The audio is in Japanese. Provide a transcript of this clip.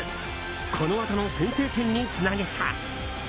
このあとの先制点につなげた。